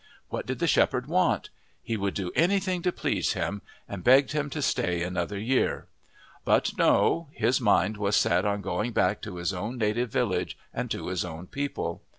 What did the shepherd want? He would do anything to please him, and begged him to stay another year. But no, his mind was set on going back to his own native village and to his own people.